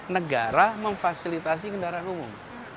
negara memfasilitasi kendaraan umum